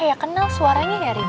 kayak kenal suaranya ya rindu